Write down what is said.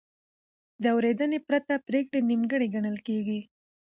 د اورېدنې پرته پرېکړه نیمګړې ګڼل کېږي.